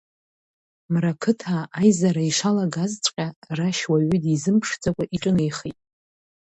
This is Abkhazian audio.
Мрақыҭаа аизара ишалгазҵәҟьа, Рашь уаҩы дизымԥшӡакәа иҿынеихеит.